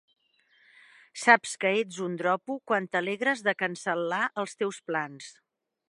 Saps que ets un dropo quan t'alegres de cancel·lar els teus plans.